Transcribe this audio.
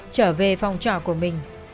trở về phòng trọ của mình